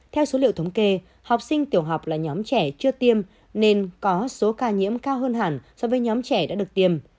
theo số liệu thống kê học sinh tiểu học là nhóm trẻ chưa tiêm nên có số ca nhiễm cao hơn hẳn so với nhóm trẻ đã được tiêm